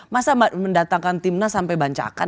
masa mbak mendatangkan tim nasional sampai bancakan